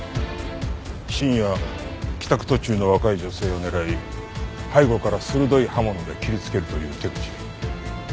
深夜帰宅途中の若い女性を狙い背後から鋭い刃物で切りつけるという手口。